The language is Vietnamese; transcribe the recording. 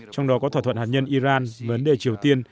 trong đó có thỏa thuận hạt nhân iran vấn đề triều tiên